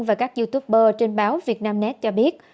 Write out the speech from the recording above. và các youtuber trên báo việt nam net cho biết